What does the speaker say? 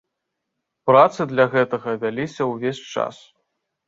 Працы для гэтага вяліся ўвесь час.